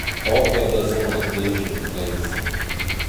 Amzer-da-zont ar bezhin e Breizh.